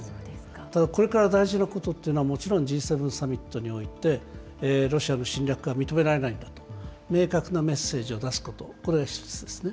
ただ、これから大事なことっていうのは、もちろんＧ７サミットにおいて、ロシアの侵略は認められないんだと、明確なメッセージを出すこと、これが１つですね。